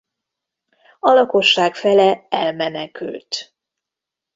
A lakosság fele elmenekült.